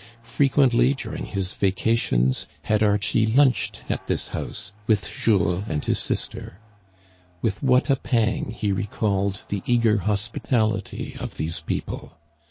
Frequently during his vacations had Archie lunched at this house with Jules and his sister. With what a pang he recalled the eager hospitality of these people.